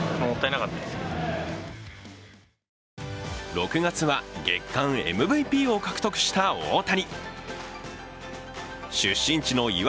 ６月は月間ＭＶＰを獲得した大谷。